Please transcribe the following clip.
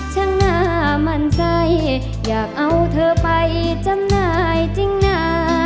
ช่างหน้ามั่นใจอยากเอาเธอไปจำหน่ายจริงนะ